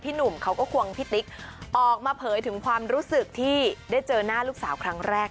หนุ่มเขาก็ควงพี่ติ๊กออกมาเผยถึงความรู้สึกที่ได้เจอหน้าลูกสาวครั้งแรก